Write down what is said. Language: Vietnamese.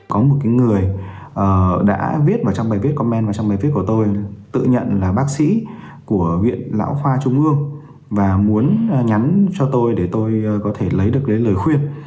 chúng tôi đã đồng ý với lãng phá trung ương và muốn nhắn cho tôi để tôi có thể lấy được lời khuyên